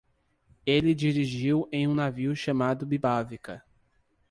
Ele dirigiu em um navio chamado Bibavica.